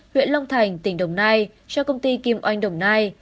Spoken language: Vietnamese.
huyện long thành tỉnh đồng nai cho công ty kim oanh đồng nai